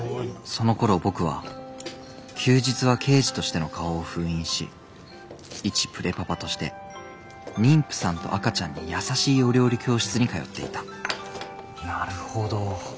そのころ僕は休日は刑事としての顔を封印しいちプレパパとして妊婦さんと赤ちゃんに優しいお料理教室に通っていたなるほど。